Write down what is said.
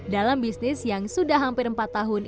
dalam bisnis yang sudah hampir empat tahun